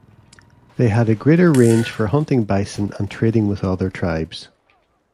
They had a greater range for hunting bison and trading with other tribes.